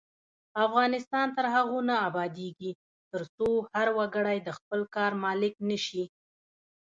افغانستان تر هغو نه ابادیږي، ترڅو هر وګړی د خپل کار مالک نشي.